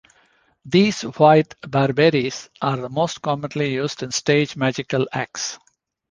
These white Barbaries are most commonly used in stage magic acts.